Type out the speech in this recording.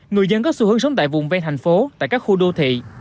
người dân có xu hướng sống tại vùng ven thành phố tại các khu đô thị